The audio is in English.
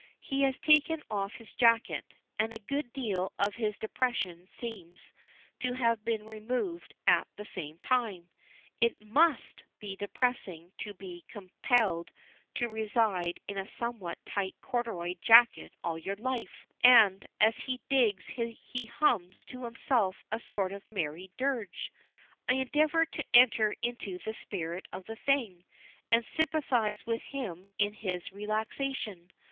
He has taken off his jacket, and a good deal of his depression seems to have been removed at the same time it must be depressing to be compelled to reside in a somewhat tight corduroy jacket all your life and as he digs he hums to himself a sort of merry dirge. I endeavour to enter into the spirit of the thing, and sympathise with him in his relaxation.